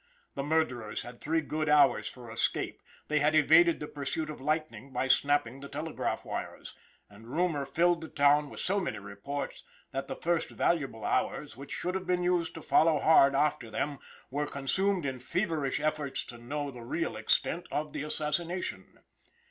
The murderers had three good hours for escape; they had evaded the pursuit of lightning by snapping the telegraph wires, and rumor filled the town with so many reports that the first valuable hours, which should have been used to follow hard after them, were consumed in feverish efforts to know the real extent of the assassination.